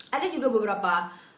ada juga beberapa